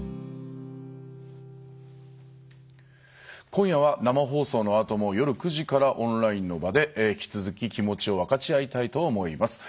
今夜は生放送のあとも夜９時からオンラインの場で引き続き気持ちを分かち合いたいと思います。